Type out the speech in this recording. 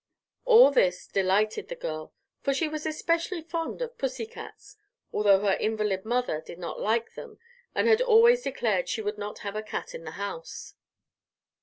All this delighted the girl, for she was especially fond of pussycats, although her invalid mother did not like them and had always declared she "would not have a cat in the house."